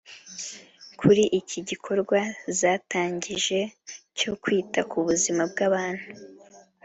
kuri iki gikorwa zatangije cyo kwita ku buzima bw’ abantu